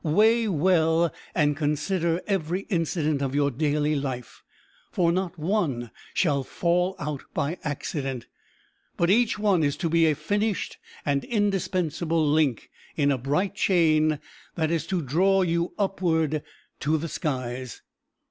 Weigh well and consider every incident of your daily life, for not one shall fall out by accident, but each one is to be a finished and indispensable link in a bright chain that is to draw you upward to the skies!"